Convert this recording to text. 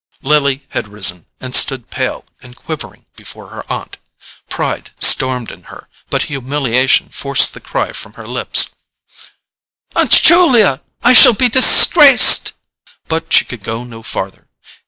Lily had risen, and stood pale and quivering before her aunt. Pride stormed in her, but humiliation forced the cry from her lips: "Aunt Julia, I shall be disgraced—I—" But she could go no farther.